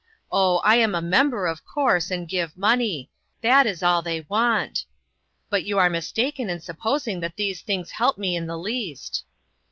Oh, I am a member, of course, and give money ; that is all they want. But you are mistaken in supposing that these things help me in the least."